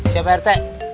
ya pak rt